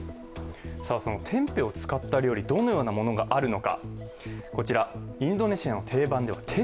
そのテンペを使った料理どのようなものがあるのか。